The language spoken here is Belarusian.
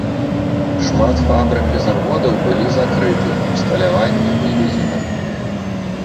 Шмат фабрык і заводаў былі закрыты, абсталяванне вывезена.